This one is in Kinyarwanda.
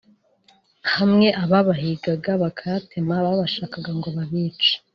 hamwe ababahigaga bakayatema babashaka ngo babice